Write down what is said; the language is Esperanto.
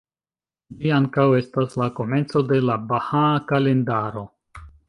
Ĝi ankaŭ estas la komenco de la Bahaa Kalendaro.